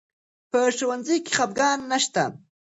په ښوونځي کې خفګان نه شته.